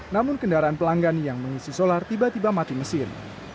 namun kendaraan pelanggan yang mengisi solar tiba tiba mati mesin